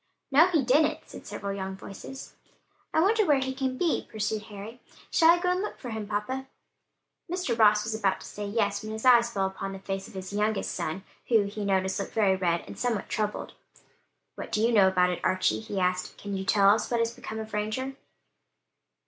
"No, he didn't," said several young voices. "I wonder where he can be," pursued Harry. "Shall I go and look for him, papa?" Mr. Ross was about to say yes, when his eye fell upon the face of his youngest son who, he noticed, looked very red and somewhat troubled. "What do you know about it, Archie?" he asked; "can you tell us what has become of Ranger?"